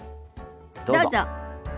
どうぞ。